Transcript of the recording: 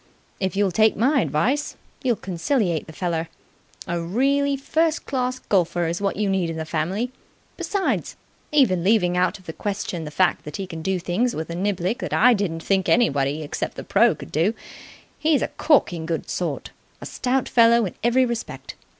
If you'll take my advice, you'll conciliate the feller. A really first class golfer is what you need in the family. Besides, even leaving out of the question the fact that he can do things with a niblick that I didn't think anybody except the pro. could do, he's a corking good sort. A stout fellow in every respect.